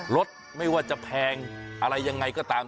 รถไม่ว่าจะแพงอะไรยังไงก็ตาม